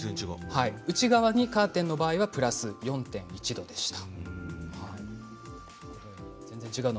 内側にカーテンの場合はプラス４．１度でした。